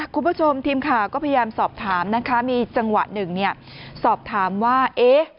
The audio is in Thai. คุณผู้ชมทีมข่าวก็พยายามสอบถามนะคะมีจังหวะหนึ่งเนี่ยสอบถามว่าเอ๊ะ